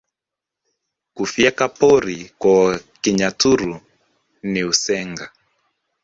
Kufyeka pori kwa Kinyaturu ni Usenga